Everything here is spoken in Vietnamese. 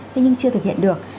thế nhưng chưa thực hiện được